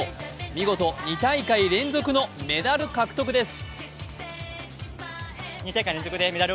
見事２大会連続のメダル獲得です。